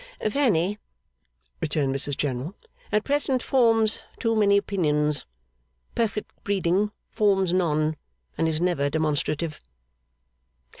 'Fanny,' returned Mrs General, 'at present forms too many opinions. Perfect breeding forms none, and is never demonstrative.